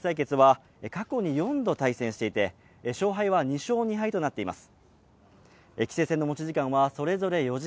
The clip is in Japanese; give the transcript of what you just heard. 両者の直接対決は過去に４度対戦していて勝敗は２勝２敗となっています。